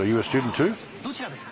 どちらですか。